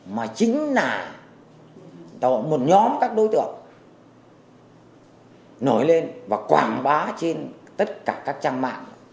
mà chính là một nhóm các đối tượng nổi lên và quảng bá trên tất cả các trang mạng